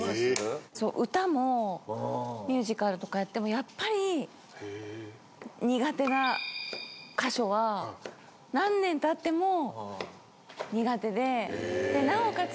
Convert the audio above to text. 歌もミュージカルとかやってもやっぱり苦手な箇所は何年たっても苦手でなおかつ